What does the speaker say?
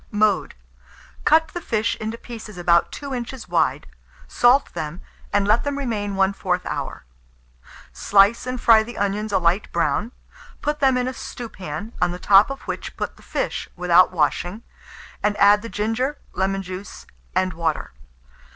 Mode. Cut the fish into pieces about 2 inches wide, salt them, and let them remain 1/4 hour. Slice and fry the onions a light brown; put them in a stewpan, on the top of which put the fish without washing, and add the ginger, lemon juice, and water.